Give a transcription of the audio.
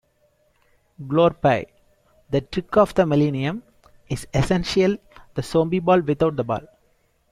Glorpy, the "trick of the millennium", is essentially the zombie ball without the ball.